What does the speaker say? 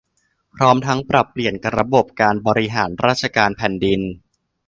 พร้อมทั้งปรับเปลี่ยนระบบการบริหารราชการแผ่นดิน